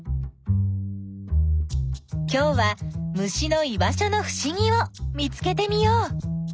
今日は虫の居場所のふしぎを見つけてみよう。